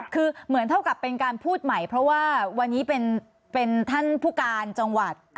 คือเหมือนเท่ากับเป็นการพูดใหม่เพราะว่าวันนี้เป็นท่านผู้การจังหวัด